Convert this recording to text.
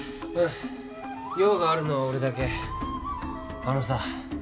用があるのは俺だけあのさ